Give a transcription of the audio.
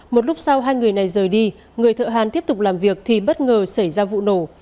một lúc sau hai người này rời đi người thợ hàn tiếp tục làm việc thì bất ngờ xảy ra vụ nổ